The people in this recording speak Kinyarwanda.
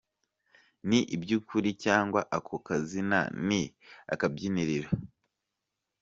Ni iby’ukuri cyangwa ako kazina ni akabyiniriro?